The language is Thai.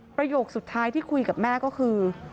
ประโยคสุดท้ายที่คุยกับแม่ก็คือ